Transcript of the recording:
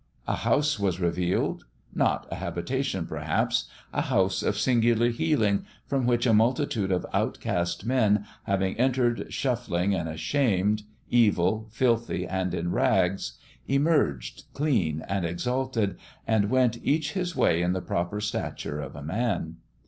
A house was revealed : not a habita tion, perhaps a house of singular healing, from which a multitude of outcast men, having en tered shuffling and ashamed, evil, filthy and in rags, emerged clean and exalted, and went each his way in the proper stature of a man.